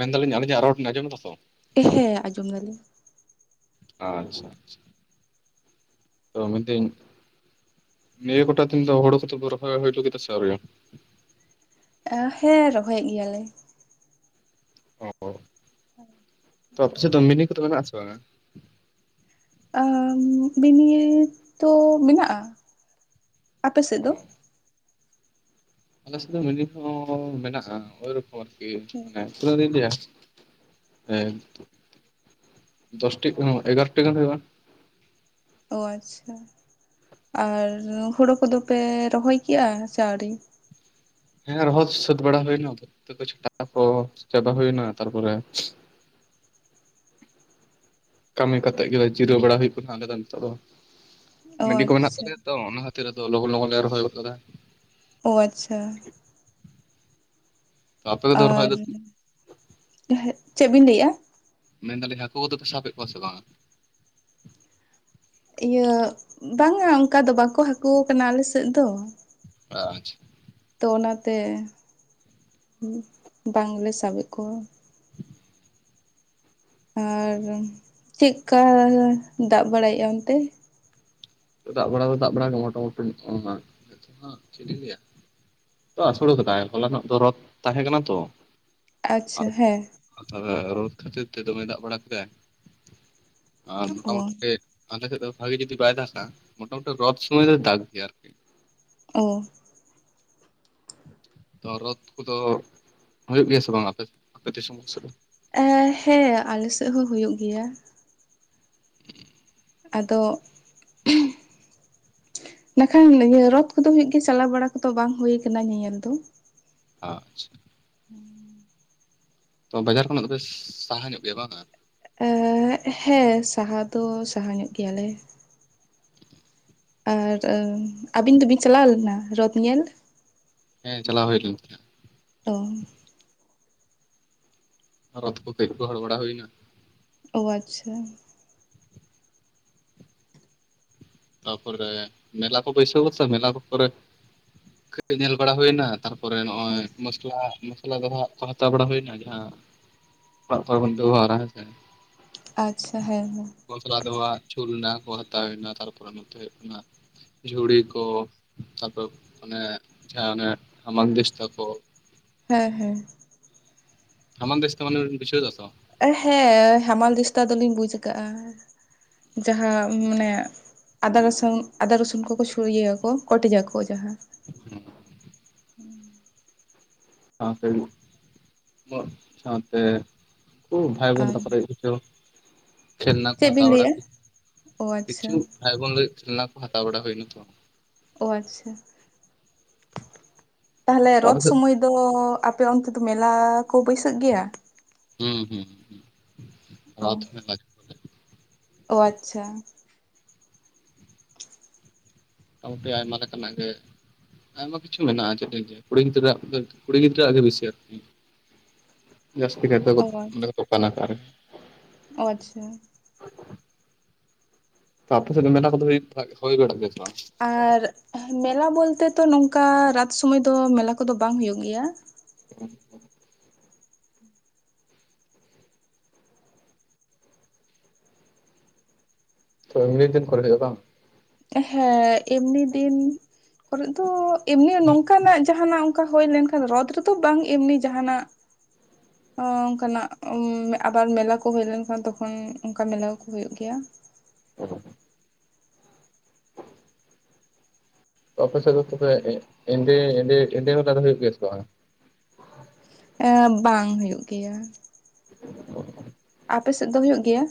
ᱢᱮᱱ ᱫᱟᱞᱤᱧ ᱟᱹᱞᱤᱧᱟᱜ ᱨᱚᱲ ᱵᱤᱱ ᱟᱸᱡᱚᱢ ᱮᱫᱟ ᱛᱚ? ᱦᱮᱸ ᱟᱸᱡᱚᱢ ᱫᱟᱞᱤᱧ᱾ ᱟᱪᱪᱷᱟ ᱟᱪᱪᱷᱟ ᱛᱚ ᱢᱮᱱ ᱫᱟᱹᱧ ᱱᱤᱭᱟᱹ ᱠᱚᱴᱟ ᱫᱤᱱ ᱫᱚ ᱦᱳᱲᱳ ᱠᱚᱫᱚ ᱯᱮ ᱨᱚᱦᱚᱭ ᱦᱩᱭᱞᱳ ᱠᱮᱫᱟ ᱥᱮ ᱟᱹᱣᱨᱤᱭᱟ? ᱦᱮᱸ ᱨᱚᱦᱚᱭᱮᱫ ᱜᱮᱭᱟᱞᱮ᱾ ᱚ ᱛᱚ ᱟᱯᱮ ᱥᱮᱫ ᱫᱚ ᱢᱤᱱᱤ ᱠᱚᱫᱚ ᱢᱮᱱᱟᱜᱼᱟ ᱥᱮ ᱵᱟᱝᱟ? ᱟᱸᱻ ᱢᱤᱱᱤ ᱛᱚ ᱢᱮᱱᱟᱜᱼᱟ᱾ ᱟᱯᱮ ᱥᱮᱫ ᱫᱚ? ᱟᱞᱮ‌ ᱥᱮᱫ ᱢᱤᱱᱤ ᱠᱚᱦᱚᱸ ᱢᱮᱱᱟᱜᱼᱟ, ᱳᱭ ᱨᱚᱠᱚᱢ ᱟᱨᱠᱤ ᱢᱟᱱᱮ ᱩᱱᱟᱹᱜ ᱨᱤᱧ ᱤᱫᱤᱭᱟ ᱦᱮᱸ᱾ ᱫᱚᱥᱴᱤᱜ ᱮᱜᱟᱨᱚ ᱴᱤ ᱜᱟᱱ ᱦᱳᱭᱳᱜᱼᱟ᱾ ᱚ ᱟᱪᱪᱷᱟ ᱟᱨ ᱦᱳᱲᱳ ᱠᱚᱫᱚ ᱯᱮ ᱨᱚᱦᱚᱭ ᱠᱮᱜ-ᱟ ᱥᱮ ᱟᱹᱣᱨᱤ? ᱦᱮᱸ ᱨᱚᱦᱚᱭ ᱥᱟᱹᱛ ᱵᱟᱲᱟ ᱦᱩᱭᱱᱟ, ᱱᱤᱛᱩᱜ ᱫᱚ ᱪᱷᱟᱴᱟᱣ ᱠᱚ ᱪᱟᱵᱟ ᱦᱩᱭᱱᱟ ᱛᱟᱨᱯᱚᱨᱮ ᱠᱟᱹᱢᱤ ᱠᱟᱛᱮ ᱜᱮᱞᱮ ᱡᱤᱨᱟᱹᱣ ᱵᱟᱲᱟ ᱦᱩᱭᱩᱜ ᱠᱟᱱᱟ ᱟᱞᱮ ᱫᱚ ᱱᱤᱛᱚᱜ ᱫᱚ, ᱚ ᱢᱟᱹᱰᱤ ᱠᱚ ᱢᱮᱱᱟᱜ ᱟᱪᱪᱷᱟ ᱛᱟᱞᱮᱭᱟ᱾ ᱛᱚ ᱚᱱᱟ ᱠᱷᱟᱹᱛᱤᱨ ᱟᱫᱚ ᱞᱚᱜᱚᱱ ᱞᱚᱜᱚᱱ ᱞᱮ ᱨᱚᱦᱚᱭ ᱜᱚᱫ ᱠᱟᱫᱟ᱾ ᱚ ᱟᱪᱪᱷᱟ᱾ ᱟᱯᱮ ᱠᱚᱫᱚ ᱨᱚᱦᱚᱭ ᱟᱨ ᱫᱚ ᱪᱮᱫ ᱵᱤᱱ ᱞᱟᱹᱭᱮᱜᱼᱟ? ᱢᱮᱱ ᱫᱟᱞᱤᱧ ᱦᱟᱹᱠᱳ ᱠᱚ ᱫᱚ ᱯᱮ ᱥᱟᱵᱮᱜ ᱠᱚᱣᱟ ᱥᱮ ᱵᱟᱝᱼᱟ? ᱤᱭᱟᱹ ᱵᱟᱝᱟ ᱚᱝᱠᱟ ᱫᱚ ᱵᱟᱠᱚ ᱦᱟᱹᱠᱳᱣ ᱠᱟᱱᱟ ᱟᱞᱮ ᱥᱮᱫ ᱫᱚ᱾ ᱟᱪᱪᱷᱟ᱾ ᱛᱚ ᱚᱱᱟᱛᱮ ᱵᱟᱝ ᱞᱮ ᱥᱟᱵᱮᱜ ᱠᱚᱣᱟ᱾ ᱟᱨ ᱪᱮᱫ ᱠᱟ ᱫᱟᱜ ᱵᱟᱲᱟᱭᱮᱜ-ᱟ ᱚᱱᱛᱮ? ᱫᱟᱜ ᱵᱟᱲᱟ ᱫᱚ ᱫᱟᱜ ᱵᱟᱲᱟ ᱜᱮ ᱢᱚᱴᱟ ᱢᱩᱴᱤ [unintelligible] ᱪᱮᱫ ᱞᱤᱧ ᱞᱟᱹᱭᱟ? ᱛᱚ ᱟᱥᱳᱲ ᱟᱠᱟᱫᱟᱭ ᱦᱚᱞᱟᱱᱚᱜ ᱫᱚ ᱨᱚᱛ ᱛᱟᱦᱮᱸ ᱠᱟᱱᱟ ᱛᱚ᱾ ᱟᱪᱪᱷᱟ ᱦᱮᱸ᱾ ᱟᱨ ᱛᱟᱦᱞᱮ ᱨᱚᱛ ᱠᱷᱟᱹᱛᱤᱨ ᱛᱮ ᱫᱚᱢᱮ ᱫᱟᱜ ᱵᱟᱲᱟ ᱠᱮᱫᱟᱭ ᱟᱨ ᱢᱚᱴᱟ ᱚ ᱢᱩᱴᱤ ᱟᱞᱮ ᱥᱮᱫ ᱫᱚ ᱵᱷᱟᱜᱤ ᱡᱩᱫᱤ ᱵᱟᱭ ᱫᱟᱜᱟ, ᱢᱚᱴᱟ ᱢᱩᱴᱤ ᱨᱚᱛ ᱥᱚᱢᱚᱭ ᱫᱚ ᱫᱟᱜ ᱜᱮᱭᱟ ᱟᱨᱠᱤ᱾ ᱳ᱾ ᱛᱚ ᱨᱚᱛ ᱠᱚᱫᱚ ᱦᱳᱭᱳᱜ ᱜᱮᱭᱟ ᱥᱮ ᱵᱟᱝ ᱟᱯᱮ ᱥᱮᱫ ᱟᱯᱮ ᱫᱤᱥᱚᱢ ᱥᱮᱫ? ᱦᱮᱸ ᱟᱞᱮ ᱥᱮᱜ ᱦᱚᱸ ᱦᱩᱭᱩᱜ ᱜᱮᱭᱟ᱾ ᱟᱫᱚ᱾ ᱢᱮᱠᱷᱟᱱ ᱨᱚᱛᱷ ᱠᱚᱫᱚ ᱦᱩᱭᱩᱜ ᱜᱮᱭᱟ᱾ ᱪᱟᱞᱟᱣ ᱵᱟᱲᱟ ᱠᱚᱫᱚ ᱵᱟᱝ ᱦᱩᱭ ᱠᱟᱱᱟ ᱧᱮᱧᱮᱞ ᱫᱚ᱾ ᱟᱪᱪᱷᱟ᱾ ᱦᱩᱸ ᱛᱚ ᱵᱟᱡᱟᱨ ᱠᱷᱚᱱᱟᱜ ᱫᱚ ᱵᱮᱥ ᱥᱟᱦᱟ ᱧᱚᱜ ᱜᱮᱭᱟ ᱵᱟᱝᱼᱟ? ᱮᱸᱜ ᱦᱮᱸ, ᱥᱟᱦᱟ ᱫᱚ ᱥᱟᱦᱟ ᱧᱚᱜ ᱜᱮᱭᱟ ᱞᱮ᱾ ᱟᱨ ᱟᱹᱵᱤᱱ ᱫᱚᱵᱤᱱ ᱪᱟᱞᱟᱣ ᱞᱮᱱᱟ ᱨᱚᱛ ᱧᱮᱞ? ᱦᱮᱸ ᱪᱟᱞᱟᱣ ᱦᱳᱭ ᱞᱮᱱ ᱜᱮᱭᱟ᱾ ᱛᱚ᱾ ᱨᱚᱛ ᱠᱚ ᱠᱟᱹᱡ ᱜᱚᱦᱚᱲ ᱵᱟᱲᱟ ᱦᱳᱭᱱᱟ᱾ ᱳ ᱟᱪᱪᱷᱟ᱾ ᱛᱟᱯᱚᱨᱮ ᱢᱮᱞᱟ ᱠᱚ ᱵᱟᱹᱭᱥᱟᱹᱣ ᱠᱟᱫᱟ [unintelligible] ᱢᱮᱞᱟ ᱠᱚᱨᱮ, ᱠᱟᱹᱡ ᱧᱮᱞ ᱵᱟᱲᱟ ᱦᱳᱭᱱᱟ ᱾ ᱛᱟᱨᱼᱼ ᱯᱚᱨᱮ ᱱᱚᱜᱼᱚᱭ [unintelligible] ᱢᱚᱥᱞᱟ, ᱢᱚᱥᱞᱟ ᱫᱚᱦᱚᱣᱟᱜ ᱠᱚ ᱦᱟᱛᱟᱣ ᱵᱟᱲᱟ ᱦᱳᱭᱱᱟ᱾ ᱡᱟᱦᱟᱸ ᱚᱲᱟᱜ ᱠᱚᱨᱮ ᱵᱚᱱ ᱵᱮᱵᱚᱦᱟᱨᱟ ᱦᱮᱸ ᱥᱮ᱾ ᱟᱪᱪᱷᱟ ᱦᱮᱸ, ᱦᱮᱸ᱾ ᱢᱚᱥᱞᱟ ᱫᱚᱦᱚᱣᱟᱜ ᱪᱷᱩᱞᱱᱟ ᱠᱚ ᱦᱟᱛᱟᱣ ᱦᱩᱭ ᱱᱟ ᱾ ᱛᱟᱨᱯᱚᱨᱮ ᱱᱚᱛᱮ ᱦᱩᱭᱩᱜ ᱠᱟᱱᱟᱼᱼ ᱡᱷᱩᱲᱤ ᱠᱚ, ᱛᱟᱯᱚᱨ ᱚᱱᱮ ᱡᱟᱦᱟᱸ ᱚᱱᱮ, ᱦᱟᱢᱟᱞ ᱫᱤᱥᱛᱟ ᱠᱚ᱾ ᱦᱮᱸ, ᱦᱮᱸ᱾ ᱦᱟᱢᱟᱞ ᱫᱤᱥᱛᱟ ᱢᱟᱱᱮ ᱵᱤᱱ ᱵᱩᱡᱷᱟᱹᱣ ᱮᱫᱟ ᱥᱮ ᱵᱟᱝ? ᱦᱮᱸ, ᱦᱟᱢᱟᱞ ᱫᱤᱥᱛᱟ ᱫᱚᱞᱤᱧ ᱵᱩᱡᱽ ᱟᱠᱟᱜᱼᱟ ᱾ ᱡᱟᱦᱟᱸ ᱢᱟᱱᱮᱼᱼ ᱟᱫᱟ ᱨᱟᱹᱥᱩᱱ, ᱟᱫᱟ ᱨᱟᱹᱥᱩᱱ ᱠᱚᱠᱚ ᱪᱷᱩᱲᱤᱭᱟᱹᱣ ᱟᱠᱚ ᱠᱚᱴᱮᱡ ᱟᱠᱚ ᱡᱟᱦᱟᱸ᱾ ᱥᱟᱶᱛᱮ, ᱥᱟᱶᱛᱮ ᱩᱱᱠᱩ [unintelligible] ᱵᱷᱟᱭ ᱵᱳᱱ ᱟᱨ ᱛᱟᱠᱚ ᱠᱷᱮᱞᱱᱟ ᱠᱚ ᱪᱮᱫ ᱵᱤᱱ ᱦᱟᱛᱟᱣ ᱵᱟᱲᱟ ᱞᱟᱹᱭᱮᱜᱼᱟ ᱚ ᱟᱪᱪᱷᱟ ᱠᱤᱪᱷᱩ ᱵᱷᱟᱭ ᱵᱳᱱ ᱞᱟᱹᱜᱤᱫ ᱠᱷᱮᱞᱱᱟ ᱠᱚ ᱦᱟᱛᱟᱣ ᱵᱟᱲᱟ ᱦᱳᱭᱱᱟ ᱛᱚ᱾ ᱳ ᱟᱪᱪᱷᱟ, ᱛᱟᱦᱚᱞᱮ ᱛᱚ ᱟᱯᱮ ᱨᱚᱛᱷ ᱥᱮᱫ ᱥᱳᱢᱚᱭ ᱛᱚ ᱟᱯᱮ ᱚᱱᱛᱮ ᱫᱚ, ᱢᱮᱞᱟ ᱠᱚ ᱵᱟᱹᱭᱥᱟᱹᱜ ᱜᱮᱭᱟ᱾ ᱦᱩᱸ ᱦᱩᱸ ᱾ ᱚ, ᱚ ᱟᱪᱪᱷᱟ᱾ ᱢᱚᱴᱟᱢᱩᱴᱤ ᱟᱭᱢᱟ ᱞᱮᱠᱟᱱᱟᱜ ᱜᱮᱼᱼ ᱟᱭᱢᱟ ᱠᱤᱪᱷᱩ ᱢᱮᱱᱟᱜᱼᱟ ᱪᱮᱫ ᱤᱧ ᱞᱟᱹᱭᱼᱟ ᱾ ᱠᱩᱲᱤ ᱜᱤᱫᱽᱨᱟᱹᱣᱟᱜ ᱠᱩᱲᱤ ᱜᱤᱫᱽᱨᱟᱹᱣᱟᱜ ᱜᱮ ᱵᱮᱥᱤ ᱟᱨᱠᱤ᱾ [inaudible] ᱡᱟᱹᱥᱛᱤ ᱠᱟᱭᱛᱮ ᱫᱚ ᱚ ᱚᱸᱰᱮ ᱠᱚ ᱫᱚᱠᱟᱱᱟ ᱟᱠᱟᱨ ᱨᱮ? ᱚ ᱟᱪᱪᱷᱟ᱾ ᱛᱚ ᱟᱯᱮ ᱥᱮᱫ ᱫᱚ ᱢᱮᱞᱟ ᱠᱩᱫᱩ ᱦᱩᱭ ᱵᱟᱲᱟ, ᱦᱳᱭ ᱵᱟᱲᱟᱜ ᱜᱮᱭᱟ ᱥᱮ ᱵᱟᱝ ᱾ ᱟᱨ ᱢᱮᱞᱟ ᱵᱚᱞᱛᱮ ᱛᱚ ᱱᱚᱝᱠᱟ ᱨᱟᱛ ᱥᱚᱢᱚᱭ ᱫᱚ, ᱢᱮᱞᱟ ᱠᱚᱫᱚ ᱵᱟᱝ ᱦᱳᱭᱳᱜ ᱜᱮᱭᱟ᱾ ᱦᱮᱸ᱾ [unintelligible] ᱛᱚ ᱮᱢᱱᱤ ᱫᱤᱱ ᱠᱚᱨᱮ ᱦᱳᱭᱳᱜᱼᱟ ᱵᱟᱝ? ᱦᱮᱸ, ᱮᱢᱱᱤ ᱫᱤᱱ ᱠᱚᱨᱮ ᱫᱚ ᱮᱢᱱᱤ ᱱᱚᱝᱠᱟᱱᱟᱜ ᱡᱟᱦᱟᱱᱟᱜᱼᱼ [unintelligible] ᱦᱳᱭ ᱞᱮᱱᱠᱷᱟᱱ ᱫᱚ, ᱨᱚᱛᱷ ᱨᱮᱫᱚ ᱵᱟᱝ ᱮᱢᱱᱤ ᱡᱟᱦᱟᱱᱟᱜᱼᱼ ᱚ, ᱚᱱᱠᱟᱱᱟᱜ, ᱟᱵᱟᱨ ᱢᱮᱞᱟ ᱠᱚ ᱦᱳᱭ ᱞᱮᱱᱠᱷᱟᱱ ᱛᱚᱠᱷᱚᱱ ᱚᱱᱠᱟ ᱢᱮᱞᱟ ᱠᱚ ᱦᱳᱭᱳᱜ ᱜᱮᱭᱟ᱾ [unintelligible] ᱛᱚ ᱟᱯᱮ ᱥᱮᱫ ᱫᱚ ᱛᱚᱵᱮ, ᱮᱸᱫᱮ ᱮᱸᱫᱮ, ᱮᱸᱫᱮ ᱢᱮᱞᱟ ᱫᱚ ᱦᱳᱭᱳᱜ ᱜᱮᱭᱟ ᱥᱮ ᱵᱟᱝᱟ? ᱮᱸ ᱵᱟᱝ ᱦᱳᱭᱳᱜ ᱜᱮᱭᱟ᱾ ᱟᱯᱮ ᱥᱮᱫ ᱫᱚ ᱦᱳᱭᱳᱜ ᱜᱮᱭᱟ?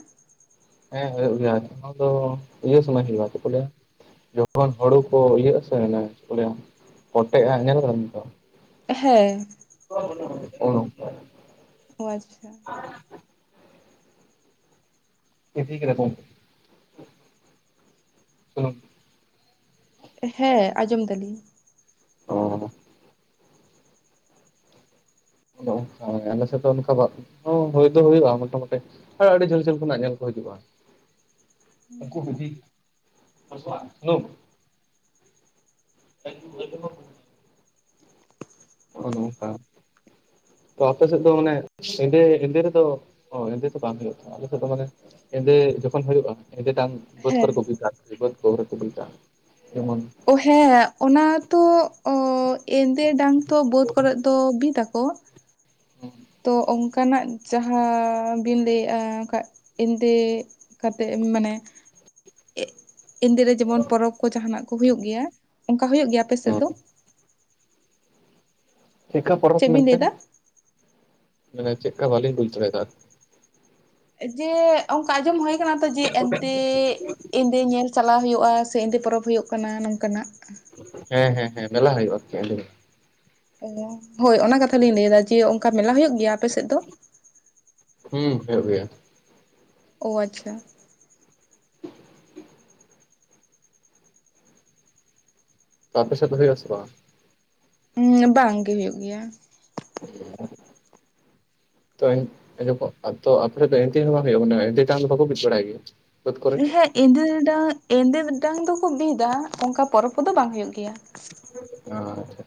ᱦᱮᱸ ᱦᱩᱭᱩᱜ ᱜᱮᱭᱟ ᱟᱱᱟ ᱫᱚ ᱤᱭᱟᱹ ᱥᱚᱢᱚᱭ ᱦᱩᱭᱩᱜᱼᱟ ᱪᱮᱫ ᱠᱚ ᱞᱟᱹᱭᱟ ᱡᱚᱠᱷᱚᱱ ᱦᱩᱲᱩ ᱠᱚ ᱤᱭᱟᱹᱜᱼᱟ ᱥᱮ ᱚᱱᱮ ᱪᱮᱫ ᱠᱚ ᱞᱟᱹᱭᱟ ᱯᱚᱴᱮᱜᱼᱟ ᱧᱮᱞ ᱟᱠᱟᱫᱟᱢ ᱥᱮ ᱵᱟᱝ? ᱦᱮᱸ᱾ [unintelligible] ᱩᱱ ᱚᱠᱛᱮ ᱾ ᱚ ᱟᱪᱪᱷᱟ ᱾ [unintelligible] ᱥᱩᱱᱩᱢ ᱦᱮᱸ ᱟᱸᱡᱚᱢ ᱮᱫᱟᱞᱤᱧ ᱾ ᱚᱻ ᱚᱱᱮ ᱚᱱᱠᱟ ᱢᱟᱱᱮ ᱟᱞᱮ ᱥᱮᱫ ᱫᱚ ᱚᱱᱠᱟ ᱦᱩᱭ ᱫᱚ ᱦᱩᱭᱩᱜᱼᱟ ᱢᱚᱴᱟᱢᱩᱴᱤ ᱾ ᱦᱮᱸ ᱟᱹᱰᱤ ᱡᱷᱟᱹᱞ ᱡᱷᱟᱹᱞ ᱠᱷᱚᱱᱟᱜ ᱧᱮᱞ ᱠᱚ ᱦᱤᱡᱩᱜᱼᱟ᱾ [inaudible] ᱩᱱᱠᱩ [inaudible] ᱦᱮᱞᱳ ᱾ [unintelligible] [unintelligible] ᱛᱚ ᱟᱯᱮᱥᱮᱫ ᱫᱚ ᱢᱟᱱᱮ ᱮᱸᱫᱮ ᱮᱸᱫᱮ ᱨᱮ ᱫᱚ ᱚ ᱮᱸᱫᱮ ᱫᱚ ᱵᱟᱝ ᱦᱩᱭᱩᱜ ᱛᱟᱦᱮᱱᱟ ᱟᱞᱮᱥᱮᱫ ᱫᱚ ᱢᱟᱱᱮ ᱮᱸᱫᱮ ᱡᱚᱠᱷᱚᱱ ᱦᱩᱭᱩᱜᱼᱟ ᱮᱸᱫᱮ ᱰᱟᱝ ᱵᱟᱹᱫᱽ ᱦᱮᱸ ᱠᱚᱨᱮ ᱠᱚ ᱵᱤᱫᱟ ᱵᱟᱹᱫᱽ ᱠᱚᱨᱮ ᱠᱚ ᱵᱤᱫᱟ ᱾ ᱡᱮᱢᱚᱱ ᱚ ᱦᱮᱸ ᱚᱱᱟ ᱛᱚᱻ ᱚ ᱮᱸᱫᱮ ᱰᱟᱝ ᱛᱚ ᱵᱟᱹᱫᱽ ᱠᱚᱨᱮ ᱫᱚ ᱵᱤᱫ ᱟᱠᱚ᱾ [inaudible] ᱛᱚ ᱚᱱᱠᱟᱱᱟᱜ ᱡᱟᱦᱟᱸ ᱵᱤᱱ ᱞᱟᱹᱭᱮᱫᱼᱟ ᱚᱱᱠᱟ ᱮᱸᱫᱮ ᱠᱟᱛᱮᱫ ᱢᱟᱱᱮ ᱮᱫ ᱮᱸᱫᱮ ᱨᱮ ᱡᱮᱢᱚᱱ ᱯᱚᱨᱚᱵᱽ ᱠᱚ ᱡᱟᱦᱟᱱᱟᱜ ᱠᱚ ᱦᱩᱭᱩᱜ ᱜᱮᱭᱟ ᱚᱱᱠᱟ ᱦᱩᱭᱩᱜ ᱜᱮᱭᱟ ᱟᱯᱮ ᱥᱮᱫ ᱫᱚ? ᱪᱮᱫᱠᱟ ᱯᱚᱨᱚᱵᱽ ᱪᱮᱫ ᱵᱤᱱ ᱞᱟᱹᱭ ᱢᱮᱱᱛᱮᱫ? ᱮᱫᱟ [inaudible] ᱢᱟᱱᱮ ᱪᱮᱫᱠᱟ ᱵᱟᱹᱞᱤᱧ ᱵᱩᱡᱽ ᱫᱟᱲᱮᱭᱟᱫᱟ ᱾ ᱡᱮ ᱚᱱᱠᱟ ᱟᱸᱡᱚᱢ ᱦᱚᱭ ᱟᱠᱟᱱᱟ ᱛᱚ ᱡᱮ ᱮᱸᱫᱮ ᱮᱸᱫᱮ ᱧᱮᱞ ᱪᱟᱞᱟᱣ ᱦᱩᱭᱩᱜᱼᱟ ᱥᱮ ᱮᱸᱫᱮ ᱯᱚᱨᱚᱵᱽ ᱦᱩᱭᱩᱜ ᱠᱟᱱᱟ ᱱᱚᱝᱠᱟᱱᱟᱜ᱾ ᱦᱮᱸ ᱦᱮᱸ ᱦᱮᱸ ᱢᱮᱞᱟ ᱦᱩᱭᱩᱜᱼᱟ ᱮᱸᱫᱮ ᱨᱮ ᱾ ᱚ ᱦᱳᱭ ᱚᱱᱟ ᱠᱟᱛᱷᱟ ᱞᱤᱧ ᱞᱟᱹᱭ ᱮᱫᱟ ᱡᱮ ᱚᱱᱠᱟ ᱢᱮᱞᱟ ᱦᱩᱭᱩᱜ ᱜᱮᱭᱟ ᱟᱯᱮᱥᱮᱫ ᱫᱚ? ᱦᱩᱸ ᱦᱚᱭᱚᱜ ᱜᱮᱭᱟ᱾ ᱚ ᱟᱪᱪᱷᱟ᱾ ᱛᱚ ᱟᱯᱮ ᱥᱮᱫ ᱫᱚ ᱦᱩᱭᱩᱜᱼᱟ ᱥᱮ ᱵᱟᱝ? ᱩᱸ ᱵᱟᱝ ᱜᱮ ᱦᱩᱭᱩᱜ ᱜᱮᱭᱟ᱾ [inaudible] ᱛᱚ ᱮ ᱟᱯᱮ ᱥᱮᱫ ᱫᱚ ᱮᱸᱫᱮ ᱦᱚ ᱵᱟᱝ ᱦᱩᱭᱩᱜᱼᱟ ᱢᱟᱱᱮ ᱮᱸᱫᱮ ᱰᱟᱝ ᱫᱚ ᱵᱟᱠᱚ ᱵᱤᱫ ᱵᱟᱲᱟᱭ ᱜᱮᱭᱟ? ᱵᱟᱹᱫᱽ ᱠᱚᱨᱮ ᱦᱮᱸ ᱮᱸᱫᱮ ᱰᱟᱝ ᱮᱸᱫᱮ ᱰᱟᱝ ᱫᱚᱠᱚ ᱵᱤᱫᱟ ᱚᱱᱠᱟ ᱯᱚᱨᱚᱵᱽ ᱠᱚᱫᱚ ᱵᱟᱝ ᱦᱩᱭᱩᱜ ᱜᱮᱭᱟ᱾ ᱚ ᱟᱪᱪᱷᱟ᱾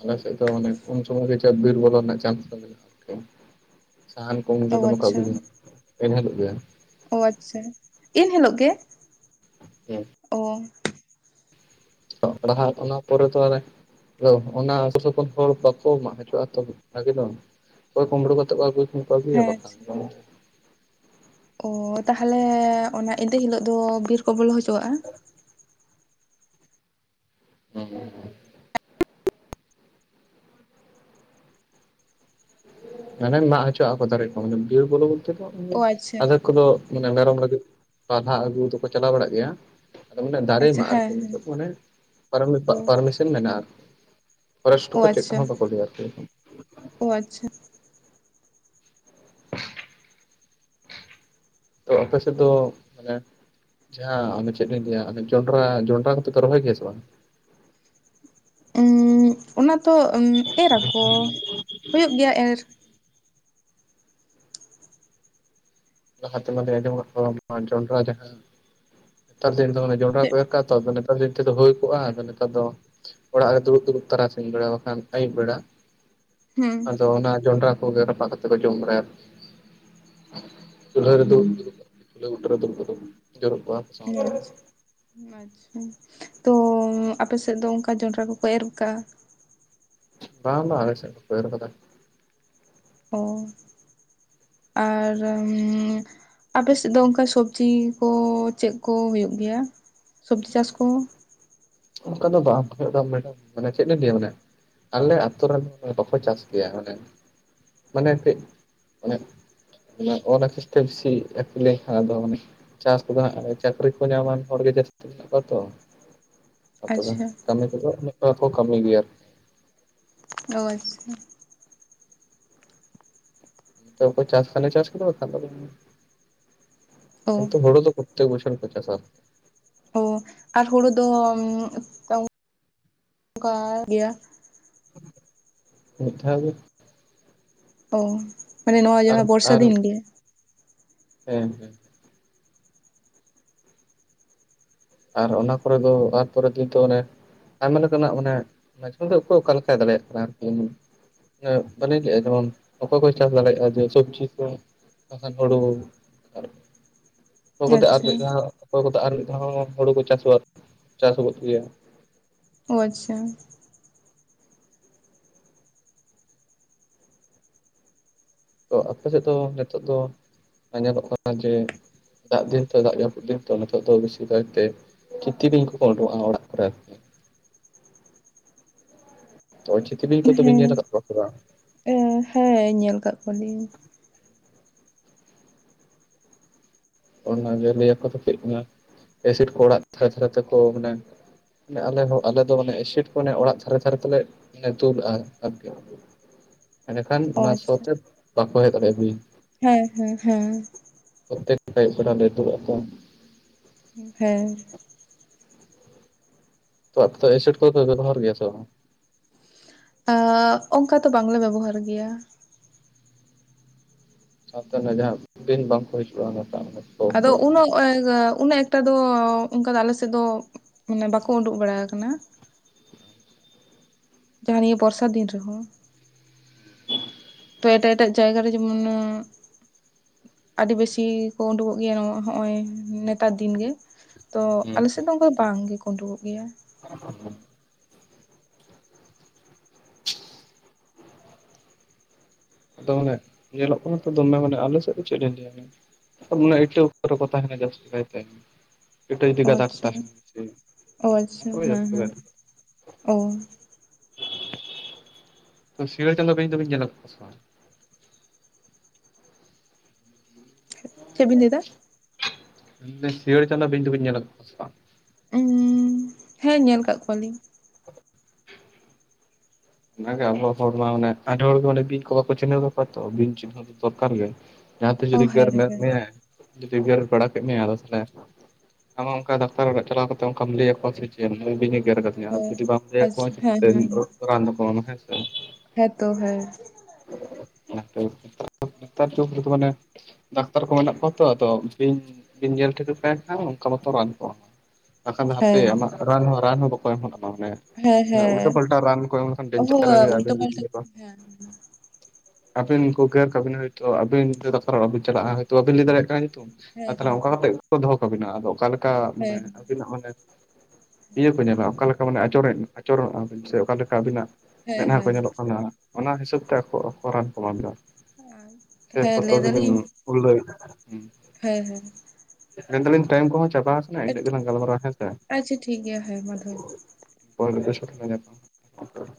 ᱟᱞᱮ ᱥᱮᱫ ᱫᱚ ᱢᱟᱱᱮ ᱩᱱ ᱥᱚᱢᱚᱭ ᱜᱮ ᱪᱮᱫ ᱵᱤᱨ ᱵᱚᱞᱚ ᱨᱮᱱᱟᱜ ᱪᱟᱱᱥ ᱫᱚ ᱢᱮᱱᱟᱜᱼᱟ ᱟᱨᱠᱤ [inaudible] ᱥᱟᱦᱟᱱ ᱠᱚ ᱩᱱ ᱚ ᱨᱮᱫᱚᱢᱮ ᱠᱚ ᱟᱪᱪᱷᱟ ᱟᱹᱜᱩ ᱡᱚᱝᱟ ᱮᱱ ᱾ ᱦᱤᱞᱳᱜ ᱜᱮ [inaudible] ᱚ ᱟᱪᱪᱷᱟ ᱤᱱ ᱦᱤᱞᱳᱜ ᱜᱮ? ᱦᱮᱸ ᱾ ᱚ ᱾ [unintelligible] ᱚᱱᱟ ᱯᱚᱨᱮ ᱛᱚ ᱚᱱᱮ ᱟᱫᱚ ᱚᱱᱟ ᱟᱹᱛᱩ ᱥᱩᱯᱩᱨ ᱦᱚᱲ ᱵᱟᱠᱚ ᱢᱟᱜ ᱦᱚᱪᱚᱜᱼᱟ ᱛᱚ ᱵᱷᱟᱜᱮ ᱫᱚ ᱾ ᱚᱠᱚᱭ ᱠᱩᱢᱲᱩ ᱠᱟᱛᱮᱫ ᱠᱚ ᱟᱹᱜᱩᱭ ᱠᱷᱟᱱ ᱠᱚ ᱟᱹᱜᱩᱭᱟ ᱦᱮᱸ ᱵᱟᱠᱷᱟᱱ ᱟᱪᱪᱷᱟ ᱵᱟᱝ ᱚ ᱛᱟᱦᱚᱞᱮ ᱚᱱᱟ ᱮᱸᱫᱮ ᱦᱤᱞᱳᱜ ᱫᱚ ᱵᱤᱨ ᱠᱚ ᱵᱚᱞᱚ ᱦᱚᱪᱚᱣᱟᱜᱼᱟ? ᱦᱩᱸ ᱦᱩᱸ ᱾ ᱢᱟᱱᱮ ᱢᱟᱜ ᱦᱚᱪᱚᱣᱟᱜᱼᱟ ᱠᱚ ᱫᱟᱨᱮ ᱠᱚ ᱾ ᱢᱟᱱᱮ ᱵᱤᱨ ᱵᱚᱞᱚ ᱵᱚᱞᱛᱮ ᱫᱚ ᱚ ᱟᱪᱪᱷᱟ [inaudible] ᱟᱫᱚ ᱠᱩᱫᱚ ᱢᱟᱱᱮ ᱢᱮᱨᱚᱢ ᱞᱟᱹᱜᱤᱫ ᱯᱟᱞᱦᱟ ᱟᱹᱜᱩ ᱫᱚᱠᱚ ᱪᱟᱞᱟᱣ ᱵᱟᱲᱟᱜ ᱜᱮᱭᱟ᱾ ᱟᱫᱚ ᱢᱟᱱᱮ ᱫᱟᱨᱮ ᱟᱪᱪᱷᱟ ᱢᱟᱜ ᱦᱮᱸ ᱟᱨᱠᱤ ᱦᱮᱸ ᱱᱤᱛᱳᱜ ᱫᱚ ᱢᱟᱱᱮ ᱯᱟᱨᱢᱤ ᱯᱟ ᱚ ᱯᱟᱨᱢᱤᱥᱮᱱ ᱢᱮᱱᱟᱜ-ᱟ ᱟᱨᱠᱤ᱾ ᱯᱷᱚᱨᱮᱥᱴᱦᱚ ᱚ ᱠᱚ ᱪᱮᱫ ᱟᱪᱪᱷᱟ ᱦᱚᱸ ᱵᱟᱠᱚ ᱞᱟᱹᱭᱟ ᱟᱨᱠᱤ᱾ ᱚ ᱟᱪᱪᱷᱟ [inaudible] ᱛᱚ ᱟᱯᱮ ᱥᱮᱫ ᱫᱚ ᱢᱟᱱᱮ ᱡᱟᱦᱟᱸ ᱚᱱᱮ ᱪᱮᱫ ᱞᱤᱧ ᱞᱟᱹᱭᱟ ᱚᱱᱮ ᱡᱚᱱᱰᱨᱟ ᱡᱚᱱᱰᱨᱟ ᱠᱚᱫᱚ ᱯᱮ ᱨᱚᱦᱚᱭ ᱜᱮᱭᱟ ᱥᱮ ᱵᱟᱝ? ᱩᱸᱜ ᱚᱱᱟ ᱛᱚ ᱩᱸᱜ ᱮᱨᱟᱠᱚ ᱦᱳᱭᱳᱜ ᱜᱮᱭᱟ ᱮᱨ᱾ ᱞᱟᱦᱟᱛᱮ ᱢᱟᱫᱚᱧ ᱟᱸᱡᱚᱢ ᱠᱟᱜ ᱠᱚᱣᱟ ᱱᱚᱣᱟ ᱡᱚᱱᱰᱨᱟ ᱡᱟᱦᱟᱸ ᱱᱮᱛᱟᱨ ᱫᱤᱱ ᱫᱚ ᱚᱱᱮ ᱡᱚᱱᱰᱨᱟ ᱠᱚ ᱪᱮᱫ ᱮᱨ ᱠᱟᱜᱟ ᱛᱚ ᱟᱫᱚ ᱱᱮᱛᱟᱨ ᱫᱤᱱ ᱛᱮᱫᱚ ᱦᱳᱭ ᱠᱚᱜᱟ ᱟᱫᱚ ᱱᱮᱛᱟᱨ ᱫᱚ ᱚᱲᱟᱜ ᱨᱮ ᱫᱩᱲᱩᱵ ᱫᱩᱲᱩᱵ ᱛᱟᱨᱟᱥᱤᱧ ᱵᱮᱲᱟ ᱵᱟᱠᱷᱟᱱ ᱟᱹᱭᱩᱵ ᱵᱮᱲᱟ ᱦᱩᱸ ᱟᱫᱚ ᱚᱱᱟ ᱡᱚᱱᱰᱨᱟ ᱠᱚᱜᱮ ᱨᱟᱯᱟᱜ ᱠᱟᱛᱮ ᱠᱚ ᱡᱚᱢ ᱵᱟᱲᱟᱭᱟ᱾ ᱪᱩᱞᱦᱟᱹ ᱨᱮ ᱫᱩᱲᱩᱵ ᱫᱩᱲᱩᱵ ᱪᱩᱞᱦᱟᱹ ᱵᱩᱴᱟᱹ ᱨᱮ ᱫᱩᱲᱩᱵ ᱠᱟᱛᱮ ᱠᱚ ᱡᱳᱨᱳᱜ ᱠᱚᱜᱟ᱾ ᱟᱪᱪᱷᱟ ᱟᱪᱪᱷᱟ ᱛᱚ ᱟᱯᱮᱥᱮᱫ ᱫᱚ ᱚᱝᱠᱟ ᱡᱚᱱᱰᱨᱟ ᱠᱚᱠᱚ ᱮᱨ ᱠᱟᱜᱟ? ᱵᱟᱝ ᱵᱟᱝ ᱟᱞᱮ ᱥᱮᱫ ᱵᱟᱠᱚ ᱮᱨ ᱠᱟᱫᱟ᱾ ᱚ ᱟᱨ ᱟᱯᱮ ᱥᱮᱫ ᱫᱚ ᱚᱝᱠᱟ ᱥᱚᱵᱽᱡᱤ ᱠᱚ ᱪᱮᱫ ᱠᱚ ᱦᱳᱭᱳᱜ ᱜᱮᱭᱟ ᱥᱚᱵᱽᱡᱤ ᱪᱟᱥ ᱠᱚ? ᱚᱝᱠᱟ ᱫᱚ ᱵᱟᱝ ᱦᱳᱭᱳᱜ-ᱟ ᱢᱮᱰᱟᱢ ᱢᱟᱱᱮ ᱪᱮᱫ ᱞᱤᱧ ᱞᱟᱹᱭᱟ ᱢᱟᱱᱮ ᱟᱞᱮ ᱟᱹᱛᱳ ᱨᱮᱱ ᱦᱚᱲ ᱵᱟᱠᱚ ᱪᱟᱥ ᱜᱮᱭᱟ ᱢᱟᱱᱮ ᱢᱟᱱᱮ ᱠᱟᱹᱡ ᱢᱟᱱᱮ ᱢᱟᱱᱮ ᱚᱞ ᱟᱠᱷᱤᱨ ᱛᱮ ᱵᱤᱥᱤ ᱟᱠᱷᱤᱞ ᱞᱮᱱᱠᱷᱟᱱ ᱟᱫᱚ ᱢᱟᱱᱮ ᱪᱟᱥ ᱠᱚᱫᱚ ᱦᱟᱸᱜ ᱪᱟᱹᱠᱨᱤ ᱠᱚ ᱧᱟᱢᱟᱱ ᱦᱚᱲᱜᱮ ᱡᱟᱹᱥᱛᱤ ᱢᱮᱱᱟᱜ ᱠᱚᱣᱟ ᱛᱚ ᱛᱚᱵᱮ ᱟᱪᱪᱷᱟ ᱠᱟᱹᱢᱤ ᱠᱚᱫᱚ ᱩᱱᱟᱹᱜ ᱫᱚ ᱵᱟᱠᱚ ᱠᱟᱹᱢᱤ ᱜᱮᱭᱟ ᱟᱨᱠᱤ᱾ ᱚ ᱟᱪᱪᱷᱟ ᱛᱚ ᱚᱠᱚᱭ ᱪᱟᱥ ᱠᱷᱟᱱᱮ ᱪᱟᱥ ᱠᱮᱫᱟ ᱵᱟᱠᱷᱟᱱ ᱫᱚ ᱵᱟᱝ ᱚ ᱠᱤᱱᱛᱩ ᱦᱳᱲᱳ ᱫᱚ ᱯᱚᱛᱛᱮᱠ ᱵᱚᱪᱷᱚᱨ ᱜᱮᱠᱚ ᱪᱟᱥᱟ᱾ ᱚ ᱟᱨ ᱦᱩᱲᱩ ᱫᱚ [unintelligible] ᱚᱝᱠᱟ ᱜᱮᱭᱟ᱾ ᱢᱤᱫ ᱫᱷᱟᱣ ᱜᱮ᱾ ᱚ ᱢᱟᱱᱮ ᱱᱚᱣᱟ ᱟᱨ ᱡᱟᱦᱟᱸ ᱵᱚᱨᱥᱟ ᱟᱨ ᱫᱤᱱ ᱜᱮ ᱦᱮᱸ ᱦᱮᱸ ᱟᱨ ᱚᱱᱟ ᱠᱚᱨᱮ ᱫᱚ ᱟᱨ ᱯᱚᱨᱮ ᱫᱤᱱ ᱫᱚ ᱚᱱᱮ ᱟᱭᱢᱟ ᱞᱮᱠᱟᱱᱟᱜ ᱢᱟᱱᱮ [unintelligible] ᱚᱠᱚᱭ ᱚᱠᱟ ᱞᱮᱠᱟᱭ ᱫᱟᱲᱮᱭᱟᱜ ᱠᱟᱱᱟ ᱟᱨᱠᱤ᱾ ᱚᱱᱮ ᱵᱟᱞᱤᱧ ᱞᱟᱹᱭᱮᱜᱟ ᱡᱮᱢᱚᱱ ᱚᱠᱚᱭ ᱠᱚ ᱪᱟᱥ ᱫᱟᱲᱮᱭᱟᱜ-ᱟ ᱡᱮ ᱥᱚᱵᱡᱤ ᱠᱚ ᱵᱟᱠᱷᱟᱱ ᱦᱳᱲᱳ ᱟᱨ ᱚᱠᱚᱭ ᱠᱚᱫᱚ ᱟᱨ ᱟᱪᱪᱷᱟ ᱢᱤᱫ ᱫᱷᱟᱣ ᱚᱠᱚᱭ ᱠᱚᱫᱚ ᱟᱨ ᱢᱤᱫ ᱫᱷᱟᱣ ᱦᱚᱸ ᱦᱩᱲᱩ ᱠᱚ ᱪᱟᱥ ᱵᱟᱲᱟ ᱪᱟᱥ ᱜᱚᱫ ᱜᱮᱭᱟ᱾ ᱚ ᱟᱪᱪᱷᱟ ᱛᱚ ᱟᱯᱮ ᱥᱮᱫ ᱫᱚ ᱱᱤᱛᱳᱜ ᱫᱚ ᱟᱸᱡᱚᱢᱚᱜ ᱠᱟᱱᱟ ᱡᱮ ᱫᱟᱜ ᱫᱤᱱ ᱛᱚ ᱫᱟᱜ ᱡᱟᱹᱯᱩᱫ ᱫᱤᱱ ᱛᱚ ᱱᱤᱛᱚᱜ ᱫᱚ ᱵᱤᱥᱤ ᱠᱟᱭᱛᱮ ᱠᱤᱛᱤ ᱵᱤᱧ ᱠᱚᱠᱚ ᱳᱰᱳᱠᱚᱜ-ᱟ ᱚᱲᱟᱜ ᱠᱚᱨᱮ ᱟᱨ᱾ ᱛᱚ ᱪᱤᱛᱤ ᱵᱤᱧ ᱠᱚᱫᱚ ᱵᱤᱱ ᱧᱮᱞ ᱠᱟᱜ ᱠᱚᱣᱟ ᱥᱮ ᱵᱟᱝ? ᱮ ᱦᱮᱸ ᱧᱮᱞ ᱠᱟᱜ ᱠᱚᱣᱟᱞᱤᱧ᱾ ᱚᱱᱟᱱᱟ ᱜᱮ ᱞᱟᱹᱭᱟᱠᱚ ᱛᱚ ᱠᱟᱹᱡ ᱚᱱᱟ ᱮᱥᱤᱰ ᱠᱚ ᱚᱲᱟᱜ ᱫᱷᱟᱨᱮ ᱫᱷᱟᱨᱮ ᱛᱮᱠᱚ ᱢᱟᱱᱮ ᱟᱞᱮ ᱦᱚᱸ ᱟᱞᱮ ᱫᱚ ᱢᱟᱱᱮ ᱮᱥᱤᱰ ᱠᱚ ᱚᱱᱮ ᱚᱲᱟᱜ ᱫᱷᱟᱨᱮ ᱫᱷᱟᱨᱮ ᱛᱮᱞᱮ ᱫᱩᱞᱟᱜ-ᱟ ᱟᱨᱠᱤ᱾ [inaudible] ᱮᱸᱰᱮᱠᱷᱟᱱ ᱚ ᱚᱱᱟ ᱥᱚ ᱟᱪᱪᱷᱟ ᱛᱮ ᱵᱟᱠᱚ ᱦᱮᱡ ᱫᱟᱲᱮᱜ-ᱟ ᱵᱤᱧ᱾ ᱦᱮᱸ ᱦᱮᱸ ᱦᱮᱸ ᱯᱚᱛᱮᱠ ᱟᱹᱭᱩᱵ ᱵᱮᱲᱟ ᱨᱮ [unintelligible] ᱦᱮᱸ ᱛᱚ ᱟ ᱮᱥᱤᱴ ᱠᱚ ᱫᱚ ᱵᱮᱵᱚᱦᱟᱨ ᱜᱮᱭᱟ ᱥᱮ ᱟ ᱚᱱᱠᱟ ᱛᱚ ᱵᱟᱝᱞᱮ ᱵᱮᱵᱚᱦᱟᱨ ᱜᱮᱭᱟ᱾ ᱥᱟᱶᱛᱮ ᱨᱮᱱᱟᱜ ᱡᱟᱦᱟᱸ ᱫᱤᱱ ᱵᱟᱝᱠᱚ ᱦᱤᱡᱩᱜᱼᱟ᱾ ᱥᱚ ᱟᱫᱚ ᱠᱚ ᱩᱱᱟᱹᱜ [inaudible] ᱩᱱᱟᱹᱜ ᱮᱠᱴᱟ ᱫᱚ ᱚᱱᱠᱟ ᱫᱚ ᱟᱞᱮ ᱥᱮᱫ ᱫᱚ ᱢᱟᱱᱮ ᱵᱟᱠᱚ ᱩᱰᱩᱠ ᱵᱟᱲᱟ ᱟᱠᱟᱱᱟ᱾ ᱡᱟᱦᱟᱸ ᱱᱤᱭᱟᱹ ᱵᱚᱨᱥᱟ ᱫᱤᱱ ᱨᱮᱦᱚᱸ ᱛᱚ ᱮᱴᱟᱜ ᱮᱴᱟᱜ ᱡᱟᱭᱜᱟ ᱨᱮ ᱡᱮᱢᱚᱱ ᱟᱹᱰᱤ ᱵᱮᱥᱤ ᱠᱚ ᱩᱰᱩᱠᱚᱜ ᱜᱮᱭᱟ ᱦᱚᱜᱼᱚᱭ ᱱᱮᱛᱟᱨ ᱫᱤᱱ ᱜᱮᱻ ᱛᱚ ᱟᱞᱮ ᱥᱮᱫ ᱫᱚ ᱚᱱᱠᱟ ᱫᱚ ᱵᱟᱝ ᱜᱮ ᱠᱚ ᱩᱰᱩᱠᱚᱜ ᱜᱮᱭᱟ ᱾ [unintelligible] ᱟᱫᱚ ᱢᱟᱱᱮ ᱧᱮᱞᱚᱜ ᱠᱟᱱᱟ ᱛᱚ ᱫᱚᱢᱮ ᱢᱟᱱᱮ ᱟᱞᱮ ᱥᱮᱫ ᱫᱚ ᱪᱮᱫ ᱞᱤᱧ ᱞᱟᱹᱭ ᱢᱮᱭᱟ᱾ ᱮ ᱤᱴᱟᱹ ᱠᱚᱨᱮ ᱠᱚ ᱛᱟᱦᱮᱱᱟ ᱡᱟᱹᱥᱛᱤ ᱠᱟᱭ ᱛᱮ ᱤᱴᱟᱹ ᱡᱩᱫᱤ ᱚ ᱜᱟᱫᱟ ᱛ [inaudible] ᱟᱪᱪᱷᱟ ᱠᱚ ᱚ ᱟᱪᱪᱷᱟ ᱦᱮᱸ ᱦᱮᱸ ᱚ ᱛᱚ ᱥᱤᱜᱟᱸᱲ ᱪᱟᱸᱫᱚ ᱵᱤᱧ ᱫᱚ ᱵᱤᱱ ᱧᱮᱞ ᱟᱠᱟᱫ ᱠᱚᱣᱟ ᱥᱮ ᱵᱟᱝ ᱪᱮᱫ ᱵᱤᱱ ᱞᱟᱹᱭ ᱫᱟ᱾ ᱤ ᱥᱮᱭᱟᱲ ᱪᱟᱱᱫᱟ ᱵᱤᱱ ᱫᱚ ᱵᱤᱱ ᱧᱮᱞ [inaudible] [inaudible] ᱦᱮᱸ ᱧᱮᱞ ᱟᱠᱟᱫ ᱠᱚᱣᱟ ᱞᱤᱧ ᱚᱱᱟᱜᱮ ᱟᱵᱚᱣᱟᱜ ᱦᱚᱲ ᱢᱟᱟᱱᱮ ᱟᱹᱰᱤ ᱦᱚᱲ ᱜᱮ ᱵᱤᱧ ᱠᱚ ᱵᱟᱠᱚ ᱪᱤᱱᱦᱟᱹᱣ ᱠᱟᱠᱚᱣᱟ ᱛᱚ ᱵᱤᱧ ᱪᱤᱱᱦᱟᱹ ᱫᱚ ᱫᱚᱨᱠᱟᱨ ᱜᱮ᱾ ᱡᱟᱦᱟᱸ ᱛᱤᱥ ᱚ ᱡᱩᱫᱤ ᱜᱮᱨ ᱦᱮᱸ ᱢᱮᱨ ᱦᱮᱸ ᱢᱮᱭᱟᱭ ᱡᱩᱫᱤ ᱜᱮᱨ ᱵᱟᱲᱟ ᱠᱮᱜ ᱢᱮᱭᱟ ᱟᱫᱚ ᱛᱟᱦᱞᱮ᱾ ᱟᱢᱟᱜ ᱚᱱᱠᱟ ᱰᱟᱠᱛᱟᱨ ᱚᱲᱟᱜ ᱪᱟᱞᱟᱣ ᱠᱟᱛᱮ ᱚᱱᱠᱟᱢ ᱞᱟᱹᱭ ᱟᱠᱚᱣᱟ ᱥᱮ ᱪᱮᱫ ᱩᱱᱤ ᱵᱤᱧ ᱮᱼᱼ ᱜᱮᱨ ᱟᱠᱟ ᱫᱤᱧᱟ ᱦᱮᱸ ᱡᱩᱫᱤ ᱵᱟᱢ ᱞᱟᱹᱭ ᱟᱪᱪᱷᱟ ᱟᱠᱚᱣᱟ ᱦᱮᱸ ᱪᱤᱠᱟᱹᱛᱮ ᱨᱟᱱ ᱠᱚ ᱮᱢᱟᱢᱟ ᱦᱮᱸ ᱥᱮ ᱦᱮᱛᱚ ᱦᱮ ᱱᱮᱛᱟᱨ [unintelligible] ᱢᱟᱱᱮ ᱰᱟᱠᱛᱟᱨ ᱠᱚ ᱢᱮᱱᱟᱜ ᱠᱚᱣᱟ ᱛᱚ ᱟᱫᱚ ᱵᱤᱧ ᱵᱤᱱ ᱵᱤᱱ ᱧᱮᱞ ᱴᱷᱤᱠ ᱞᱮᱠᱷᱟᱱ ᱚᱱᱠᱟ ᱢᱚᱛᱚ ᱨᱟᱱ ᱠᱚ ᱮᱢ ᱵᱟᱠᱷᱟᱱ ᱫᱚ ᱦᱮᱸ ᱦᱟᱯᱮ ᱟᱢᱟᱜ ᱨᱟᱱ ᱦᱚᱸ ᱨᱟᱱ ᱦᱚᱸ ᱵᱟᱠᱚ ᱮᱢᱚᱜ ᱛᱟᱢᱟ ᱢᱟᱱᱮ ᱦᱮᱸ ᱩᱞᱴᱟᱹ ᱦᱮᱸ ᱯᱟᱞᱴᱟ ᱨᱟᱱ ᱠᱚ ᱮᱢ ᱦᱳᱭ ᱩᱞᱴᱟᱹ ᱯᱟᱞᱴᱟᱹ ᱦᱮᱸ [unintelligible] ᱟᱹᱵᱤᱱ ᱠᱚ ᱜᱮᱨ ᱠᱟᱜ ᱵᱤᱱ ᱦᱳᱭᱛᱳ ᱟᱹᱵᱤᱱ ᱰᱟᱠᱛᱟᱨ ᱚᱲᱟᱜ ᱵᱤᱱ ᱪᱟᱞᱟᱜᱼᱟ ᱦᱳᱭᱛᱳ ᱵᱟ ᱵᱤᱱ ᱞᱟᱹᱭ ᱫᱟᱲᱮᱭᱟᱜ ᱠᱟᱱᱟ ᱧᱩᱛᱩᱢ ᱦᱮᱸ ᱟᱨ ᱛᱟᱦᱚᱞᱮ ᱦᱮᱸ ᱚᱱᱠᱟ ᱠᱟᱛᱮ ᱜᱮ ᱫᱚᱦᱚ ᱠᱟᱵᱤᱱᱟ ᱟᱫᱚ ᱚᱠᱟᱞᱮᱠᱟ ᱢᱟᱱᱮ ᱦᱮᱸ ᱟᱵᱤᱱᱟᱜ ᱢᱟᱱᱮᱼᱼ ᱤᱭᱟᱹ ᱠᱚ ᱧᱮᱞᱟ ᱚᱠᱟ ᱞᱮᱠᱟ ᱢᱟᱱᱮ ᱟᱪᱚᱨ ᱟᱪᱚᱨᱚᱱ ᱟᱵᱤᱱ ᱥᱮ ᱚᱠᱟᱞᱮᱠᱟ ᱟᱹᱵᱤᱱᱟᱜ? ᱦᱮᱸ ᱢᱮᱫᱦᱟ ᱠᱚ ᱦᱮᱸ ᱧᱮᱞᱚᱜ ᱠᱟᱱᱟ ᱚᱱᱟ ᱦᱤᱥᱟᱹᱵᱽ ᱛᱮ ᱟᱠᱚ ᱟᱠᱚ ᱨᱟᱱ ᱠᱚ ᱮᱢᱟ ᱮᱢᱟ ᱠᱚᱣᱟ᱾ ᱦᱮᱸ ᱥᱮ ᱦᱮᱸ ᱯᱷᱚᱛ ᱞᱟᱹᱭ ᱜᱮᱵᱤᱱ ᱫᱟᱞᱤᱧ ᱩᱞᱟᱭᱮᱫᱟ ᱟᱨᱠᱤ ᱦᱮᱸ ᱦᱮᱸ ᱢᱮᱱᱫᱟᱞᱤᱧ ᱴᱟᱭᱤᱢ ᱠᱚᱦᱚᱸ ᱪᱟᱵᱟ ᱟᱥᱮᱱᱟ ᱤᱱᱟᱹᱜ ᱜᱮᱞᱟᱝ ᱜᱟᱞᱢᱟᱨᱟᱣᱟ ᱦᱮᱸ ᱥᱮᱼᱼ ᱟᱪᱪᱷᱟ ᱴᱷᱤᱠ ᱜᱮᱭᱟ ᱦᱮᱸ ᱢᱟ ᱫᱚᱦᱚᱭ ᱢᱮ ᱦᱳᱭ [unintelligible]